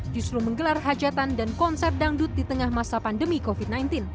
justru menggelar hajatan dan konsep dangdut di tengah masa pandemi covid sembilan belas